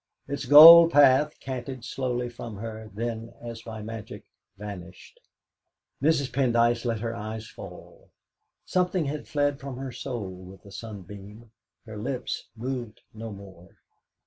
Its gold path canted slowly from her, then, as by magic, vanished. Mrs. Pendyce let her eyes fall. Something had fled from her soul with the sunbeam; her lips moved no more.